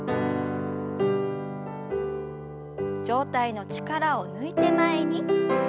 上体の力を抜いて前に。